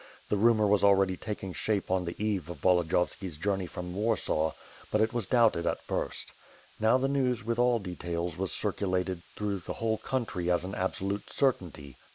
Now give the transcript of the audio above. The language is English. The rumor was already taking shape on the eve of Volodiyovski's journey from Warsaw, but it was doubted at first. Now the news with all details was circulated through 58o WITH FIRE AND SWORD. the whole country as an absolute certainty.